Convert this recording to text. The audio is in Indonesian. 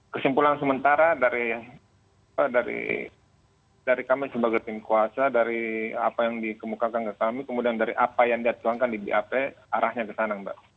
kesimpulan sementara dari kami sebagai tim kuasa dari apa yang dikemukakan ke kami kemudian dari apa yang dia tuangkan di bap arahnya ke sana mbak